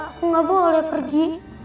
aku gak boleh pergi